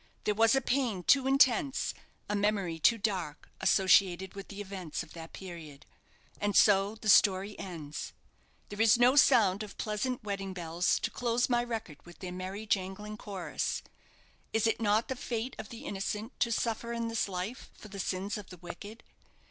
There was a pain too intense, a memory too dark, associated with the events of that period. And so the story ends. There is no sound of pleasant wedding bells to close my record with their merry, jangling chorus. Is it not the fate of the innocent to suffer in this life for the sins of the wicked?